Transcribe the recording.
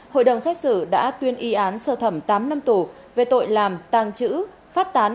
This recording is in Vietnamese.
hội đồng xét xử đã tuyên y án sơ thẩm tám năm tù về tội làm tàng trữ phát tán